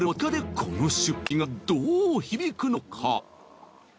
この出費がどう響くのか？